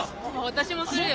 私もするよ！